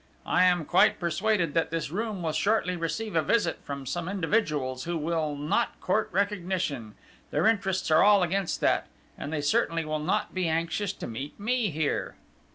"I am quite persuaded that this room will shortly receive a visit from some individuals who will not court recognition their interests are all against that and they certainly will not be anxious to meet me here!